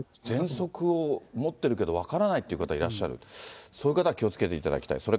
ぜんそくを持ってるけど分からないって方いらっしゃる、そういう方は気をつけていただきたい。